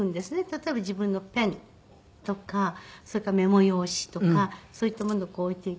例えば自分のペンとかそれからメモ用紙とかそういったものをこう置いていって。